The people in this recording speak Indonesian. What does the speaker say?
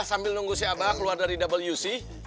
sambil nunggu si abah keluar dari wc